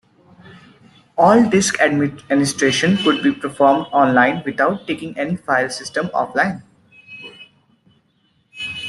All disk administration could be performed online, without taking any file system offline.